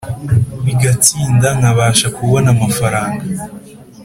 bigatsinda nkabasha kubona amafaranga